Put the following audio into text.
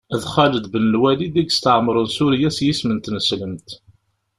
D Xaled Ben Lwalid i yestɛemren Surya s yisem n tneslemt.